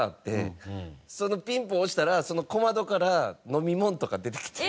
そのピンポン押したら小窓から飲み物とか出てきて。